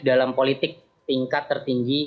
dalam politik tingkat tertinggi